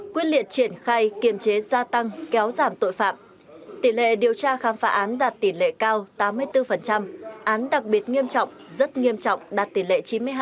quyết liệt triển khai kiềm chế gia tăng kéo giảm tội phạm tỷ lệ điều tra khám phá án đạt tỷ lệ cao tám mươi bốn án đặc biệt nghiêm trọng rất nghiêm trọng đạt tỷ lệ chín mươi hai